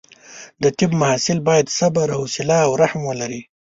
د طب محصل باید صبر، حوصله او رحم ولري.